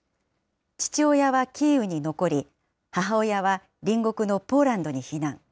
父親はキーウに残り、母親は隣国のポーランドに避難。